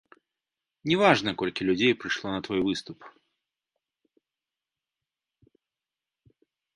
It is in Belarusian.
Не важна, колькі людзей прыйшло на твой выступ.